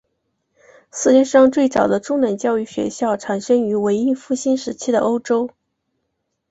世界上最早的中等教育学校产生于文艺复兴时期的欧洲。